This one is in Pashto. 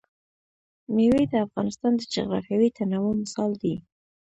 مېوې د افغانستان د جغرافیوي تنوع مثال دی.